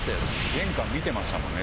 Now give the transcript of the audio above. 玄関見てましたね。